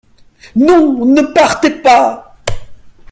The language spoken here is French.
Non ! ne partez pas !